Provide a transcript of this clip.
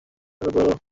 অনেক দিন হয়ে গেছে।